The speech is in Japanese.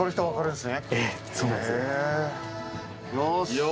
よし！